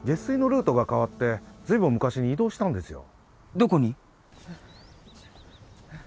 どこに？